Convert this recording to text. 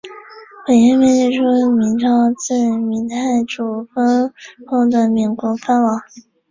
本页面列出明朝自明太祖分封的岷国藩王。